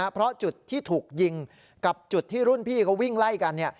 เพราะจุดที่ถูกยิงกับจุดที่รุ่นพี่เขาวิ่งไล่กัน